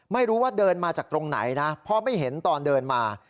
ไม่รู้ว่าเดินมาจากตรงไหนนะเพราะไม่เห็นตอนเดินมา